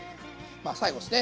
最後ですね